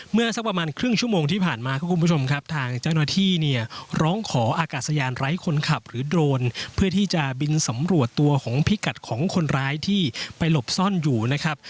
สักประมาณครึ่งชั่วโมงที่ผ่านมาครับคุณผู้ชมครับทางเจ้าหน้าที่เนี่ยร้องขออากาศยานไร้คนขับหรือโดรนเพื่อที่จะบินสำรวจตัวของพิกัดของคนร้ายที่ไปหลบซ่อนอยู่นะครับ